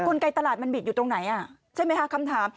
ไกตลาดมันบิดอยู่ตรงไหนใช่ไหมคะคำถาม